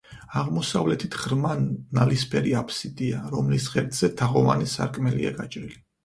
აღმოსავლეთით ღრმა, ნალისებრი აფსიდია, რომლის ღერძზე თაღოვანი სარკმელია გაჭრილი.